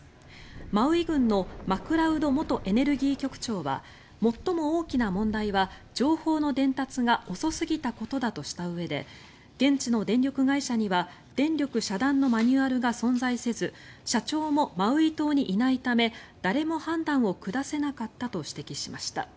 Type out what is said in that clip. マウイ郡のマクラウド元エネルギー局長は最も大きな問題は情報の伝達が遅すぎたことだとしたうえで現地の電力会社には電力遮断のマニュアルが存在せず社長もマウイ島にいないため誰も判断を下せなかったと指摘しました。